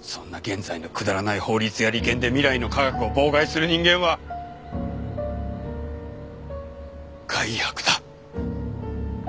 そんな現在のくだらない法律や利権で未来の科学を妨害する人間は害悪だ。